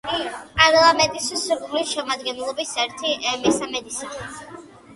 პარლამენტის სრული შემადგენლობის ერთი მესამედისა